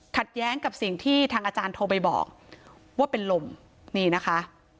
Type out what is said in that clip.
แย้งกับสิ่งที่ทางอาจารย์โทรไปบอกว่าเป็นลมนี่นะคะ